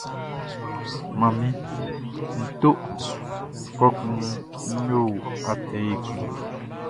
Manmi, nʼto kɔkun nʼyo atɛ ekun.